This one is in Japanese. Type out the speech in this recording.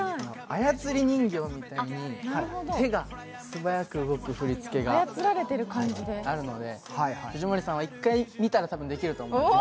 操り人形みたいに手が素早く動く振り付けがあるので、藤森さんは１回見たら多分できると思います。